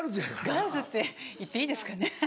ガールズって言っていいですかね。